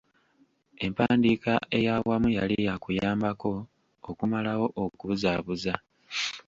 Empandiika ey’awamu yali yaakuyambako okumalawo okubuzaabuza.